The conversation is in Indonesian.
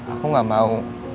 aku gak mau